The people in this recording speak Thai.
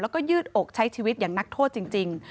แล้วก็ยืดอกใช้ชีวิตอย่างนักโทษจริง